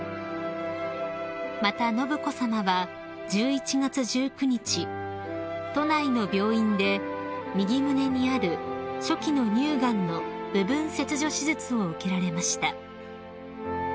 ［また信子さまは１１月１９日都内の病院で右胸にある初期の乳がんの部分切除手術を受けられました］